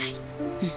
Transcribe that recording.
うん。